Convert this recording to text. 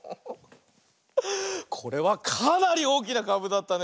これはかなりおおきなかぶだったね。